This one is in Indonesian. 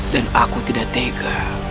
dan aku tidak tega